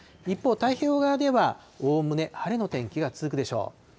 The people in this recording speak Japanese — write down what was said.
一方、太平洋側ではおおむね晴れの天気が続くでしょう。